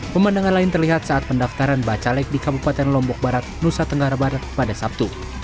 pemandangan lain terlihat saat pendaftaran bacalek di kabupaten lombok barat nusa tenggara barat pada sabtu